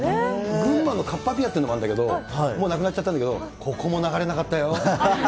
群馬のかっぱぴあっていうのあるんだけど、もうなくなっちゃったんだけれども、ここも流れなかったよ。